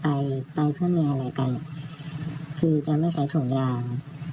ไปไปเพื่อเมียอะไรกันคือจะไม่ใช้ถุงยาง